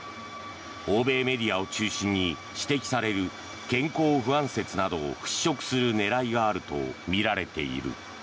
欧米メディアを中心に指摘される健康不安説などを払しょくする狙いがあるとみられている。